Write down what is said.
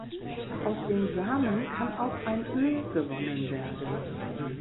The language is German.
Aus den Samen kann auch ein Öl gewonnen werden.